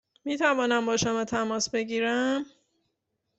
می توانم با شما تماس بگیرم؟